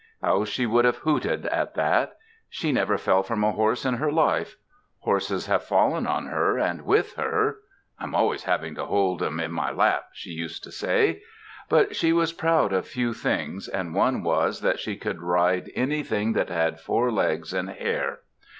How she would have hooted at that! She never fell from a horse in her life. Horses have fallen on her and with her "I'm always trying to hold 'em in my lap," she used to say. But she was proud of few things, and one was that she could ride anything that had four legs and hair.